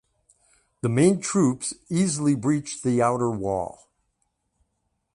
The main troops easily breached the outer wall.